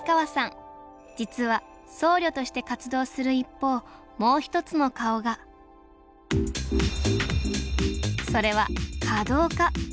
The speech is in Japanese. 実は僧侶として活動する一方もう一つの顔がそれは華道家。